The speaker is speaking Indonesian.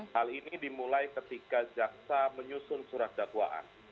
hal ini dimulai ketika jaksa menyusun surat dakwaan